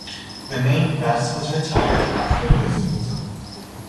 The name Bess was retired after this season.